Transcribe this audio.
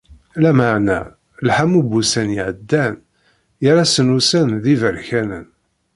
Lameεna, lḥamu n wussan iεeddan, yerra-asen ussan d iberkanen.